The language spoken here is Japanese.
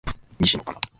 西野カナ